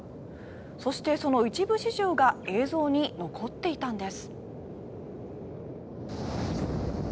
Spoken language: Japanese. そしてその一部始終が映像に残っていたんです。